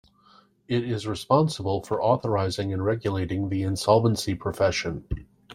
It is responsible for authorising and regulating the insolvency profession.